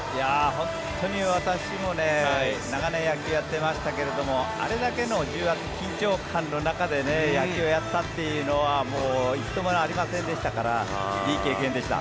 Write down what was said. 本当に私も長年野球をやっていましたけれどあれだけの重圧、緊張感の中で野球をやったというのは一度もありませんでしたからいい経験でした。